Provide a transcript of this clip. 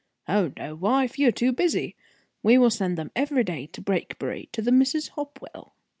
"Oh, no, wife. You are too busy. We will send them every day to Brakebury, to the Misses Hopwell."